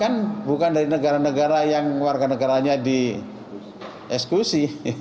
ya bahkan bukan dari negara negara yang warga negaranya di eksklusi